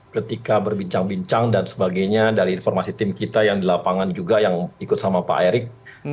ketika berbincang bincang dan sebagainya dari informasi tim kita yang di lapangan juga yang ikut sama pak erik